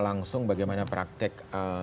langsung bagaimana praktek